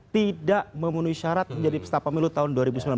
tidak memenuhi syarat menjadi peserta pemilu tahun dua ribu sembilan belas